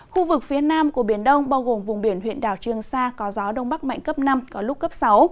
khu vực phía nam của biển đông bao gồm vùng biển huyện đảo trương sa có gió đông bắc mạnh cấp năm có lúc cấp sáu